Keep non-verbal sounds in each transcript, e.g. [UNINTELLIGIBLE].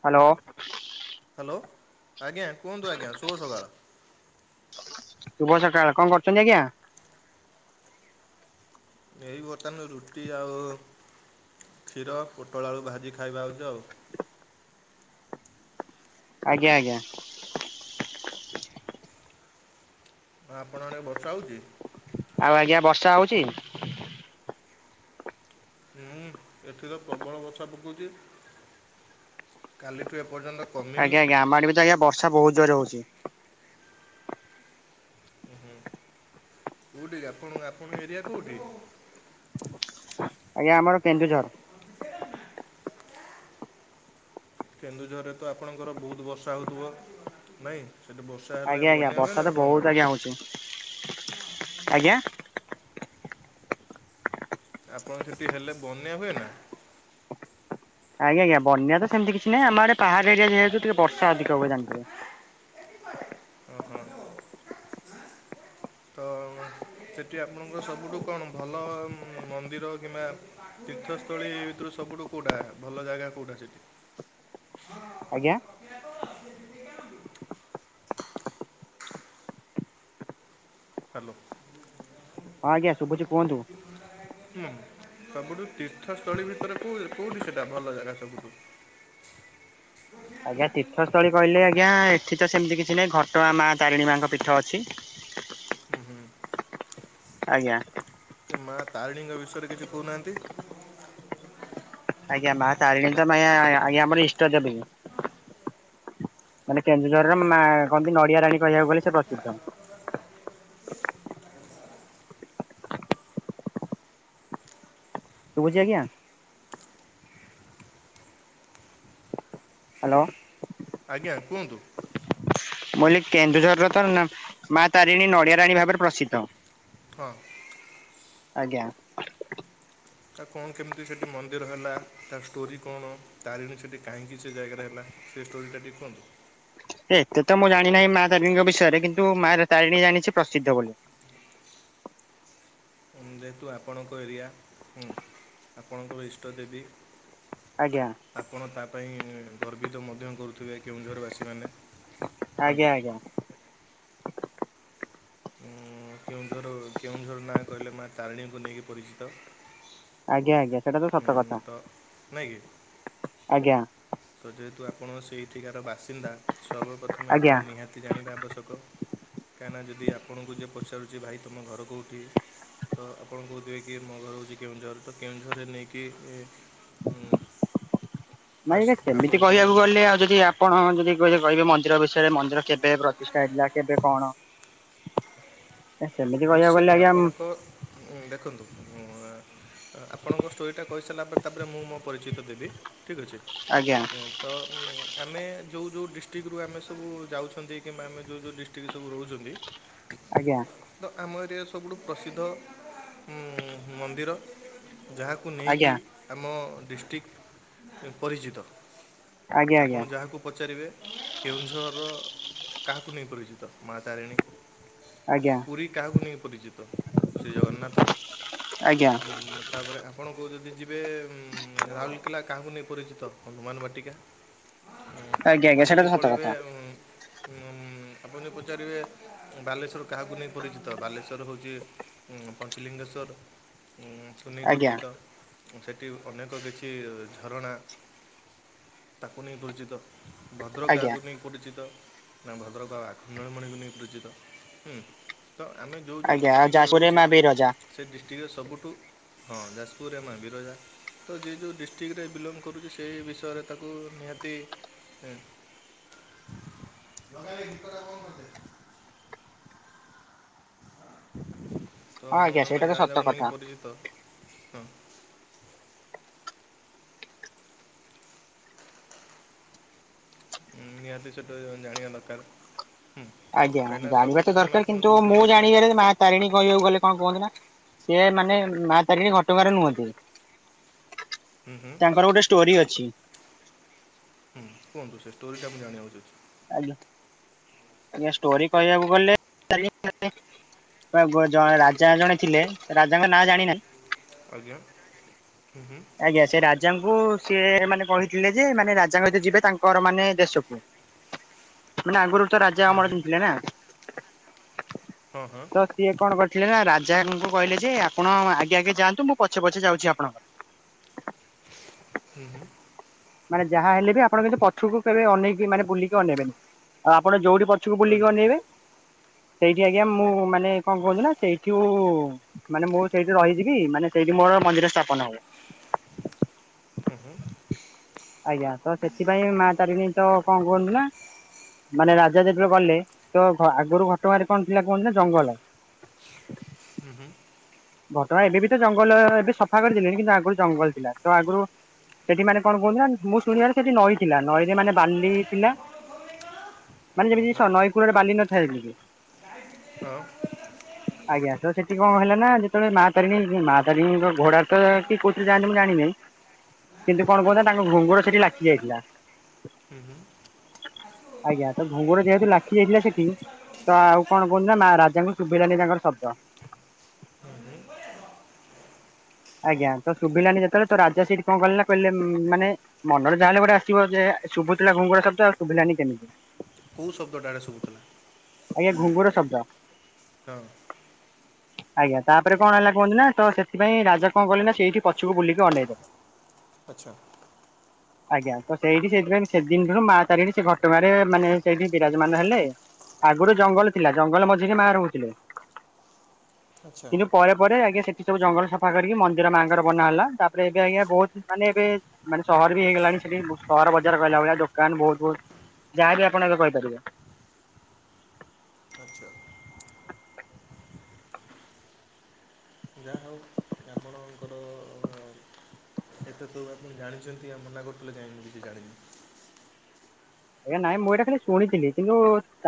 Hello. Hello ଆଜ୍ଞା କୁହନ୍ତୁ ଆଜ୍ଞା ଶୁଭ ସକାଳ। ଶୁଭ ସକାଳ କଣ କରୁଛନ୍ତି ଆଜ୍ଞା। ଏଇ ବର୍ତ୍ତମାନ ରୁଟି ଆଉ କ୍ଷୀର ପୋଟଳ ଆଳୁ ଭାଜି ଖାଇବା ହଉଛି ଆଉ। ଆଜ୍ଞା ଆଜ୍ଞା। ହଁ ଆପଣଙ୍କ ଆଡେ ବର୍ଷା ହଉଛି? ଆଉ ଆଜ୍ଞା ବର୍ଷା ହଉଛି। ହୁଁ ଏଠି ତ ପ୍ରବଳ ବର୍ଷା ପକଉଛି କାଲି ଠୁ ଏ ପର୍ଯ୍ୟନ୍ତ ଆଜ୍ଞା ଆଜ୍ଞା ଆମ ଆଡ଼େ ବି ତ ଆଜ୍ଞା ବର୍ଷା ବହୁତ ଜୋର୍‌ ରେ ହଉଛି। ହୁଁ କୋଉଠି ଆପଣ ଆପଣଙ୍କ ଏରିଆ କୋଉଠି? ଆଜ୍ଞା ଆମର କେନ୍ଦୁଝର। କେନ୍ଦୁଝରରେ ତ ଆପଣଙ୍କର ବହୁତ ବର୍ଷା ହଉଥିବ? ନାଇଁ ସେଇଠି ବର୍ଷା ହେଲେ ଆଜ୍ଞା ଆଜ୍ଞା ବନ୍ୟା ବର୍ଷା ତ ହୁଏନା ବହୁତ ଆପଣଙ୍କ ଆଡ଼େ? ଆଜ୍ଞା ହଉଛି ଆଜ୍ଞା। ଆପଣଙ୍କ ସେଠି ହେଲେ ବନ୍ୟା ହୁଏ ନା? ଆଜ୍ଞା ଆଜ୍ଞା ବନ୍ୟା ତ ସେମିତି କିଛି ନାହିଁ ଆମ ଆଡେ ପାହାଡ଼ ଏରିଆ ଯେହେତୁ ଟିକେ ବର୍ଷା ଅଧିକ ହୁଏ ଜାଣିଥିବେ। ଓ ହୋ। ତମ୍ ସେଠି ଆପଣଙ୍କର ସବୁଠୁ କଣ ଭଲ ମନ୍ଦିର କିମ୍ବା ତୀର୍ଥସ୍ଥଳୀ ଭିତରୁ ସବୁଠୁ କେଉଁଟା ଭଲ ଜାଗା କେଉଁଟା ସେଇଠି? ଆଜ୍ଞା। ହ୍ୟାଲୋ। ଆଜ୍ଞା ଶୁଭୁଛି କୁହନ୍ତୁ। ହୁଁ ସବୁଠୁ ତୀର୍ଥସ୍ଥଳୀ ଭିତରେ କୋଉ କୋଉଠି ସେଟା ଭଲ ଜାଗା ସବୁଠୁ? ଆଜ୍ଞା ତୀର୍ଥସ୍ଥଳୀ କହିଲେ ଆଜ୍ଞା ଏଠି ତ ସେମିତି କିଛି ନାହିଁ ଘଟଆ ମା ତାରିଣୀ ମାଙ୍କ ପୀଠ ଅଛି। ହୁଁ ହୁଁ। ଆଜ୍ଞା। ମା ତାରିଣୀଙ୍କ ବିଷୟରେ କିଛି କହୁନାହାନ୍ତି? ଆଜ୍ଞା ମା ତାରିଣୀ ତମାୟା ଆଜ୍ଞା ଆମର ଇଷ୍ଟ ଦେବୀ। ମାନେ କେନ୍ଦୁଝରର ମା କହନ୍ତି ନଡିଆ ରାଣୀ କହିବାକୁ ଗଲେ ସେ ପ୍ରସିଦ୍ଧ। ବହ [INAUDIBLE] ଶୁଭୁଛି ଆଜ୍ଞା। ହ୍ୟାଲୋ। ଆଜ୍ଞା କୁହନ୍ତୁ। ବୋଲି କେନ୍ଦୁଝର ର ତ ମା ତାରିଣୀ ନଡିଆ ରାଣୀ ଭାବରେ ପ୍ରସିଦ୍ଧ। ହଁ। ଆଜ୍ଞା। ଆଉ କଣ କେମିତି ସେଠି ମନ୍ଦିର ହେଲା ତା ଷ୍ଟୋରି କଣ ତାରିଣୀ ସେଠି କାହିଁକି ସେ ଜାଗାରେ ହେଲା? ସେ ଷ୍ଟୋରିଟା ଟିକେ କୁହନ୍ତୁ? ଏତେ ତ ମୁଁ ଜାଣିନାହିଁ ମା ତାରିଣୀଙ୍କ ବିଷୟରେ କିନ୍ତୁ ମା ତାରିଣୀ ଜାଣିଛି ପ୍ରସିଦ୍ଧ ବୋଲି। ଯେହେତୁ ଆପଣଙ୍କ ଏରିଆ ହୁଁ ଆପଣଙ୍କର ଇଷ୍ଟ ଦେବୀ। ଆଜ୍ଞା। ଆପଣ ତା ପାଇଁ ଇ ଗର୍ବିତ ମଧ୍ୟ କରୁଥିବେ କେଉଁଝର ବାସୀମାନେ। ଆଜ୍ଞା ଆଜ୍ଞା। ହୁଁ କେଉଁଝର କେଉଁଝର ନା କହିଲେ ମା ତାରିଣୀଙ୍କୁ ନେଇକି ପରିଚିତ। ଆଜ୍ଞା ଆଜ୍ଞା ସେଇଟା ତ ସତ କଥା ତ ନାଇଁ କି ଆଜ୍ଞା। ତ ଯେହେତୁ ଆପଣ ସେଇଠିକାର ବାସିନ୍ଦା ସର୍ବପ୍ରଥମେ ଆଜ୍ଞା। ଆପଣ ନିହାତି ଜାଣିବା ଆବଶ୍ୟକ। କାହିଁକିନା ଯଦି ଆପଣଙ୍କୁ ଯିଏ ପଚାରୁଛି ଭାଇ ତୁମ ଘର କେଉଁଠି ତ ଆପଣ କହୁଥିବେ କି ମୋ ଘର ହଉଛି କେଉଁଝର ତ କେଉଁଝରରେ ନେଇକି ଏ ଉଁ ନାଇଁ ଆଜ୍ଞା ସେମିତି କହିବାକୁ ଗଲେ ଆଉ ଯଦି ଆପଣ ଯଦି କେବେ କହିବେ ମନ୍ଦିର ବିଷୟରେ ମନ୍ଦିର କେବେ ପ୍ରତିଷ୍ଠା ହେଇଥିଲା କେବେ କଣ ଏ ସେମିତି କହିବାକୁ ଗଲେ ଆଜ୍ଞା ଉଁ ହୁଁ ଦେଖନ୍ତୁ ଉଁ ଅ ଆପଣଙ୍କ ଷ୍ଟୋରିଟା କହିସାରିଲା ପରେ ତାପରେ ମୁଁ ମୋ ପରିଚିତ ଦେବି ଠିକ୍ ଅଛି। ଆଜ୍ଞା। ଏ ତ ଉଁ ଆମେ ଯୋଉ ଯୋଉ ଡିଷ୍ଟ୍ରିକ୍ଟରୁ ଆମେ ସବୁ ଯାଉଛନ୍ତି କିମ୍ବା ଆମେ ଯୋଉ ଯୋଉ ଡିଷ୍ଟ ଷ୍ଟିକ୍ ରୁ ସବୁ ରହୁଛନ୍ତି ଆଜ୍ଞା। ତ ଆମ ଏରିଆରେ ସବୁଠୁ ପ୍ରସିଦ୍ଧ ଉଁ, ମନ୍ଦିର ଯାହାକୁ ନେଇକି ଆଜ୍ଞା ଆମ ଡିଷ୍ଟ୍ରିକ୍ ପରିଚିତ ଆଜ୍ଞା ଆପଣ ଆଜ୍ଞା। ଯାହାକୁ ପଚାରିବେ କେଉଁଝରର କାହାକୁ ନେଇ ପରିଚିତ ମା ତାରିଣୀ ଆଜ୍ଞା ପୁରୀ କାହାକୁ ନେଇ ପରିଚିତ ଶ୍ରୀ ଜଗନ୍ନାଥ ଆଜ୍ଞା ଉଁ ତା ପରେ ଆପଣ କୋଉ ଯଦି ଯିବେ ଉଁ ରାଉରକେଲା କାହାକୁ ନେଇ ପରିଚିତ ହନୁମାନ ବାଟିକା। ହ ହଁ ଆପଣ ଯଦି ପଳେଇବେ ଉଁ ହୁଁ ଆପଣ ଯୋଉ ପଚାରିବେ ବାଲେଶ୍ୱର କାହାକୁ ନେଇ ପରିଚିତ ବାଲେଶ୍ୱର ହଉଛି ଉଁ ପଞ୍ଚଲିଙ୍ଗେଶ୍ୱର ଉଁ କୁ ନେଇ ଆଜ୍ଞା ପରିଚିତ ସେଠି ଅନେକ କିଛି ଝରଣା, ତାକୁ ନେଇ ପରିଚିତ। ଭଦ୍ରକ ଆଜ୍ଞା। ଆଗକୁ ନେଇ ପରିଚିତ ନା ଭଦ୍ରକ ଆଉ ଆଖଣ୍ଡଳମଣିକୁ ନେଇ ପରିଚିତ ହୁଁ। ତ ଆମେ ଯୋଉ ଯୋଉ ଆଜ୍ଞା ଆଉ ଦିଷ୍ଟ୍ରିକ୍ଟ୍ ରେ ଯାଜପୁରରେ ରହୁଚେ ମା ବିରଜା ସେଇ ଡିଷ୍ଟ୍ରିକ୍ଟର ସବୁଠୁ ହଁ ଯାଜପୁରରେ ମାଆ ବିରଜା। ତ ଯିଏ ଯୋଉ ଡିଷ୍ଟ୍ରିକ୍ଟରେ ବିଲଙ୍ଗ କରୁଛି ସେଇ ବିଷୟରେ ତାକୁ ନିହାତି ହୁଁ। ତ ହଁ ଆଜ୍ଞା ଆମେ ସେଇଟା ତ ଯାହା ସତ ଯାହାକୁ କଥା ନେଇକି ପରିଚିତ ହଁ ହୁଁ ନିହାତି ସେଟୁ [UNINTELLIGIBLE] ଜାଣିବା ଦରକାର। ହୁଁ ଆଜ୍ଞା କାହିଁକିନା ଜାଣିବା ତ ସର୍ବପ୍ରଥମେ ଦରକାର ଆପଣ କିନ୍ତୁ ଯେଉଁଠିକି ମୁଁ ଯିବେ ଜାଣିବାରେ ହୁଁ ମା ତାରିଣୀ କଇବାକୁ ଗଲେ କଁ କୁହନ୍ତି ନା ସିଏ ମାନେ ମା ତାରିଣୀ ଘଟଗାଁ ରେ ନୁହଁନ୍ତି। ହୁଁ ତାଙ୍କର ଗୋଟେ ଷ୍ଟୋରି ଅଛି। ହୁଁ କୁଅନ୍ତୁ ସେ ଷ୍ଟୋରିଟା ମୁଁ ଜାଣିବାକୁ ଚାହୁଁଛି। ଆଜ୍ଞା। ଆଜ୍ଞା ଷ୍ଟୋରି କହିବାକୁ ଗଲେ [UNINTELLIGIBLE] ଜଣେ ରା ଜା ଜଣେ ଥିଲେ ରାଜାଙ୍କ ନାଁ ଜାଣିନାହିଁ ଆଜ୍ଞା ହୁଁ ହୁଁ। ଆଜ୍ଞା ସେ ରାଜାଙ୍କୁ ସିଏ ମାନେ କହିଥିଲେ ଯେ ମାନେ ରାଜାଙ୍କତ ଯିବେ ତାଙ୍କର ମାନେ ଦେଶକୁ। ମାନେ ଆଗରୁ ତ ରାଜା ହୁଁ ଅମର ହୁଁ [UNINTELLIGIBLE] ଥିଲେ ନା। ହଁ ହଁ। ତ ସିଏ କଣ କରିଥିଲେ ନା ରାଜାଙ୍କୁ କହିଲେ ଯେ ଆପଣ ଆଗେ ଆଗେ ଯାଆନ୍ତୁ ମୁଁ ପଛେ ପଛେ ଯାଉଛି ଆପଣଙ୍କର ହୁଁ ହୁଁ। ମାନେ ଯାହା ହେଲେ ବି ଆପଣ କିନ୍ତୁ ପଛକୁ କେବେ ଅନେଇକି ମାନେ ବୁଲିକି ଅନେଇବେନି ଆଉ ଆପଣ ଯୋଉଠି ପ ଛକୁ ବୁଲିକି ଆଜ୍ଞା। ଅନେଇବେ ସେଇଠି ଆଜ୍ଞା ମୁଁ ମାନେ କଣ କହୁଛି ନା ସେଇଠୁ ମାନେ ମୁଁ ସେଇଠି ରହିଯିବି ମାନେ ସେଇଠି ମୋର ମନ୍ଦିର ସ୍ଥାପନ ହବ। ହୁଁ ହୁଁ। ଆଜ୍ଞା ତ ସେଥିପାଇଁ ମା ତାରିଣୀ ତ କଣ କୁହନ୍ତୁ ନା ମାନେ ରାଜା ଯେତେବେଳେ ଗଲେ ତ ଘ ଆଗରୁ ଘଟଗାଁରେ କଣ ଥିଲା କୁହନ୍ତି ନା ଜଙ୍ଗଲ। ହୁଁ ହୁଁ। ଘଟଗାଁ ଏବେ ବି ତ ଜଙ୍ଗଲ ଏବେ ସଫା କରିଦେଲେଣି କିନ୍ତୁ ଆଗରୁ ଜଙ୍ଗଲ ଥିଲା ତ ଆଗରୁ ସେଠି ମାନେ କଣ କହୁଥିଲା ନା ମୁଁ ଶୁଣିବ ସେଠି ନଈ ଥିଲା ନଈରେ ମାନେ ବାଲି ଥିଲା। ହୁଁ ହୁଁ। ହଁ। ହୁଁ ମାନେ ଯେମିତି ହୁଁ। ସ ନଈ କୂଳରେ ବାଲି ନଥାଏ କି? ହଁ। ଆଜ୍ଞା ତ ସେଠି କଣ ହେଲା ନା ସେତେବେଳେ ମା ତାରିଣୀ ମା ତାରିଣୀ ଙ୍କ ଘୋଡାରେ ତ କିଏ କହୁଥିଲେ ଯାଆନ୍ତି ମୁଁ ଜାଣିନି କିନ୍ତୁ କଣ କହୁଥିଲା ତାଙ୍କ ଘୁଙ୍ଗୁର ସେଠି ଲାଖି ଯାଇଥିଲା। ଆଜ୍ଞା ତ ଘୁଙ୍ଗୁର ଯେହେତୁ ଲାଖି ଯାଇଥିଲା ସେଠି ତ ଆଉ କଣ କହୁନ ନା ମା ରାଜାଙ୍କୁ ଶୁଭେଇିଲାନି ତାଙ୍କର ଶବ୍ଦ। ଆଜ୍ଞା ତ ଶୁଭିଲାନି ଯେତେବେଳେ ତ ରାଜା ସେଇଠି କଣ କିଲ ନା କହିଲେ ମାନେ ମନରେ ଯାହାେଲେ ଗୋଟେ ଆସିବ ଯେ ଶୁଭୁଥିଲା ଘୁଙ୍ଗୁରା ଶବ୍ଦ ତ ଆଉ ଶୁଭିଲାନି କେମିତି। କୋଉ ଶବ୍ଦଟା ଶୁଭୁଥିଲା? ଆଜ୍ଞା ଘୁଙ୍ଗୁର ଶବ୍ଦ। ତ। [INAUDIBLE] ଆଜ୍ଞା ତାପରେ କଣ ହେଲା କୁହନ୍ତୁ ନା ତ ସେଥିପାଇଁ ରାଜା କଣ କଲେ ନା ସେଇଠି ପଛକୁ ବୁଲିକି ଅନେଇ ଦେଲେ। ଆଚ୍ଛା। ଆଜ୍ଞା ତ ସେଇଠି ସେଇଥିପାଇଁ ସେଦିନୁ ମା ତାରିଖରେ ସେ ଘଟଗାଁ ରେ ମାନେ ସେଇଠି ବିରାଜମାନ ହେଲେ। ଆଗରୁ ଜଙ୍ଗଲ ଥିଲା ଜଙ୍ଗଲ ମଝିରେ ମା ରହୁଥିଲେ। ଆଚ୍ଛା କିନ୍ତୁ ପରେ ପରେ ଆଜ୍ଞା ସେଠି ସବୁ ଜଙ୍ଗଲ ସଫା କରିକି ମନ୍ଦିର ମାଆଙ୍କର ବନା ହେଲା ତାପରେ ଏବେ ଆଜ୍ଞା ବହୁତ ମାନେ ଏବେ ମାନେ ସହର ବି ହେଇଗଲାଣି ସେଠି ସହର ବଜାର କହିଲା ଭଳିଆ ଦୋକାନ ବହୁତ ବହୁତ ଯାହା ବିି ଆପଣ ଏବେ କହିପାରିବେ। ଆଚ୍ଛା। ଯା ହଉ। ଆଣଙ୍କର। ଏତେ ତୁ ଆପଣ ଜାଣିଛନ୍ତି ଆଉ ମନା କରୁଥିଲେ ଯାଇନି କି ଜାଣିନି। ଆଜ୍ଞା ନାଇଁ ମୁଁ ଏଇଟା ଖାଲି ଶୁଣିଥିଲି କିନ୍ତୁ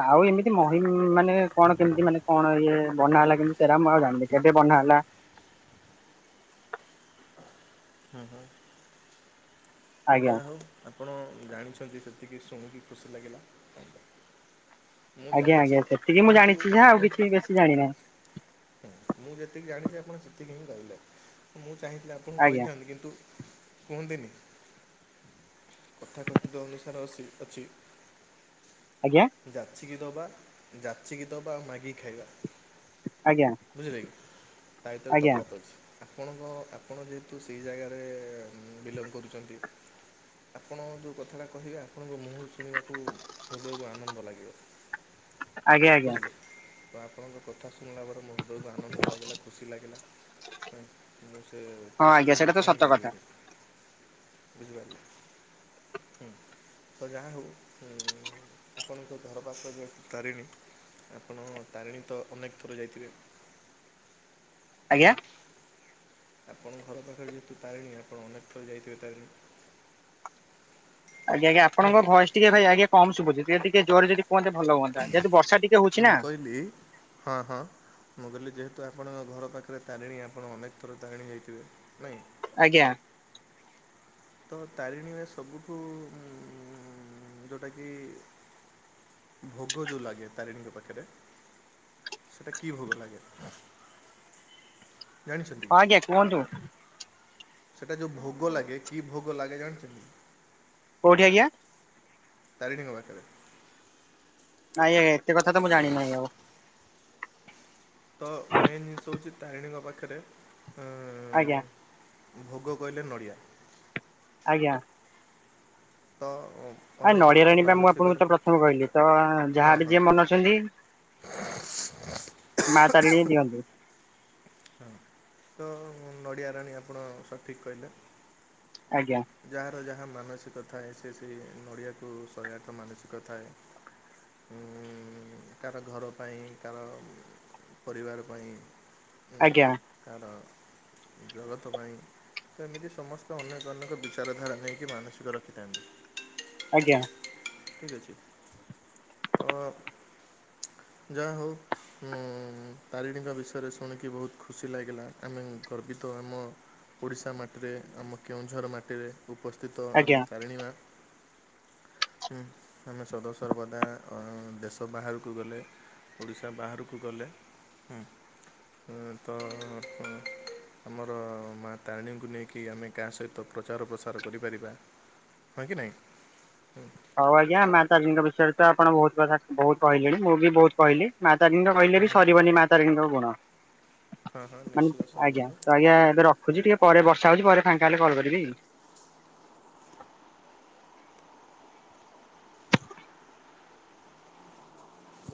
ଆଉ ଏମିତି ମହିମ ମାନେ କଣ କେମିତି ମାନେ କଣ ଇଏ ବନା ହେଲା କିନ୍ତୁ ସେଇଟା ମୁଁ ଆଉ ଜାଣିଲି କେବେ ବନା ହେଲା? ହୁଁ ହୁଁ। ଆଜ୍ଞା ଯାହା ହଉ ଆପଣ ଜାଣିଛନ୍ତି ସେତିକି ଶୁଣିକି ଖୁସି ଲାଗିଲା। ମୁଁ ଜାଣିଛି କିନ୍ତୁ ବେଶି ଜାଣିନାହାନ୍ତି। ମୁଁ ଯେତିକି ଜାଣିଛି ଆପଣ ସେତିକି ହିଁ କହିଲେ ମୁଁ ଚାହିଁଥିଲେଆପଣଙ୍କୁ ଆଜ୍ଞା କହିଥାନ୍ତି କିନ୍ତୁ କୁହନ୍ତିିନି। କଥାକଥିତ ଅନୁସାରେ ଅସି ଅଛି। ଆଜ୍ଞା? ଯାଚିକି ଦବା ଯାଚିକି ଦବା ଆଉ ମାଗି ଖାଇବା। ଆଜ୍ଞା। ବୁଝିଲେ କି ତାହିିତରେ ଆଜ୍ଞା ତଫାତ ଅଛି। ଆପଣଙ୍କ ଆପଣ ଯେହେତୁ ସେଇ ଜାଗାରେ ବିଲଙ୍ଗ କରୁଛନ୍ତି। ଆପଣ ଯେଉଁ କଥାଟା କହିବେ ଆପଣଙ୍କ ମୁହଁରୁ ଶୁଣିବାକୁ ହୃଦୟକୁ ଆନନ୍ଦ ଲାଗିବ। [INAUDIBLE] ଆଜ୍ଞା ବୁଝିଲେ ତ ଆପଣଙ୍କ କଥା ଶୁଣିଲା ପରେ ମୋ ହୃଦୟକୁ ଆନନ୍ଦ ଲାଗିଲା ଖୁସି ଲାଗିଲା। ହଁ ମୁଁ ସେ ହଁ ଆଜ୍ଞା ଖୁସିକୁ ସେଇଟା ତ ବୋଖାଣି ସତ କଥା ପାରିବିନି। [INAUDIBLE] ବୁଝିପାରିଲେ ହୁଁ ତ ଯାହା ହଉ ଆପଣଙ୍କ ଘର ପାସରେ ତାରିଣୀ ଆପଣ ତାରିଣୀ ତ ଅନେକ ଥର ଯାଇଥିବେ। ହୁଁ ଆଜ୍ଞା ଆପଣ ଘର ପାଖରେ ଯେହେତୁ ତାରିଣୀ ଆପଣ ଅନେକ ଥର ଯାଇଥିବେ ତାରିଣୀ। ଆଜ୍ଞା ଆଜ୍ଞା ନୁହଁ ଆପଣଙ୍କ କି? ଭଏସ ଟିକେ ଭାଇ ଆଜ୍ଞା ଟିକେ କମ୍ ସୁବୁଚି, ଜୋରେ ଯଦି କୁହନ୍ତେ ଭଲ ହୁଅନ୍ତା। ଯେହେତୁ ବର୍ଷା ଟିକେ ହଉଛି ନା ମୁଁ କହିଲି ହଁ ହଁ। ମୁଁ କହିଲି ଯେହେତୁ ଆପଣଙ୍କ ଘର ପାଖରେ ତାରିଣୀ ଆପଣ ଅନେକ ଥର ତାରିଣୀ ଜଇଥିବେ ନାହିଁ? ଆଜ୍ଞା। ତ ତାରିଣୀ ଉ ସବୁଠୁ ଯେଉଁଟାକି ଭୋଗ ଯୋଉ ଲାଗେ ତାରିଣୀଙ୍କ ପାଖରେ। ସେଟା କି ଭୋଗ ଲାଗେ ଜାଣିଛନ୍ତି। ହ ଆଜ୍ଞା କୁହନ୍ତୁ। ସେଟା ଯୋଉ ଭୋଗ ଲାଗେ କି ଭୋଗ ଲାଗେ ଜାଣିଛନ୍ତି? କୋଉଠି ଆଜ୍ଞା? ତାରିଣୀଙ୍କ ପାଖରେ। ନାଇଁ ଆଜ୍ଞା ଏତେ କଥା ତ ମୁଁ ଜାଣିିନାହିଁ ଆଉ। ତ ମେନ୍ ଜିନିଷ ହେଉଛି ତାରିଣୀଙ୍କ ପାଖରେ ଆଜ୍ଞା। ଭୋଗ କହିଲେ ନଡ଼ିଆ। ଆଜ୍ଞା। ତ ଆ ଅନେକ ନଡିଆ ଲୋକ ରାଣିବା ମୁଁ ମାନସିକର ଆପଣଙ୍କୁ ତ ପ୍ରଥମେ କହିଲି ତ ଯାହା ହଁ ବି ହଁ ଯିଏ ମନ ଛନ୍ତି ମା ତାରିଣୀ ଦିଅନ୍ତୁ। ହଁ ତ ନଡ଼ିଆରାଣୀ ଆପଣ ସଠିକ୍ କହିଲେ। ଆଜ୍ଞା। ଯାହାର ଯାହା ମାନସିକ ଥାଏ ସେ ସେ ନଡ଼ିଆକୁ ଶହେ ଆଠ ମାନସିକ ଥାଏ। କାର ଘର ପାଇଁ କାର ପରିବାର ପାଇଁ। ଆଜ୍ଞା କାର ଜଗତ ପାଇଁ ତ ଏମିତି ସମସ୍ତେ ଅନେକ ଅନେକ ବି ଚାରଧାରା ନେଇକି ମାନସିକ ରଖିଥାନ୍ତି। ଆଜ୍ଞା। ଠିକ ଅଛି ତ ଯାହା ହଉ। ହୁଁ ତାରିଣୀଙ୍କ ବିଷୟରେ ଶୁଣିକି ବହୁତ ଖୁସି ଲାଗିଲା ଆମେ ଗର୍ବିତ ଆମ ଓଡ଼ିଶା ମାଟିରେ ଆମ କେଉଁଝର ମାଟିରେ ଉପସ୍ଥିତ ଆମ ଆଜ୍ଞା ତାରିଣୀମା। ହୁଁ ଆମେ ସଦାସର୍ବଦା ଦେଶ ବାହାରକୁ ଗଲେ। ଓଡ଼ିଶା ବାହାରକୁ ଗଲେ ହୁଁ ତ। ଆମର ମା ତାରିଣୀଙ୍କୁ ନେଇକି ଆମେ କାହା ସହିତ ପ୍ରଚାର ପ୍ରସାର କରିପାରିବା। ହ କି ନାଇଁ ହଁ। ହଉ ଆଜ୍ଞା ମା ତାରିୀଙ୍କ ବିଷୟରେ ତ ଆପଣ ବହୁତ କଥା ବହୁତ କହିଲେଣି ମୁଁ ବି ବହୁତ କହିଲି ମା ତାରିଣୀଙ୍କ କହିଲେ ହଁ ବି ହଁ ସରିିବନ ମାତାରେଣୀଙ୍କ ଗୁଣ। ହଁ ହଁ ନିଶ୍ଚିତ ମାନେ ଆଜ୍ଞା ସରିବନି ତ ଆଜ୍ଞା ଏବେ ରଖୁଛି ଆଜ୍ଞା ଟିକେ ପରେ ବର୍ଷା ହଉଛି ପରେ ଫାଙ୍କା ହେଲେ କଲ୍ କରିବି।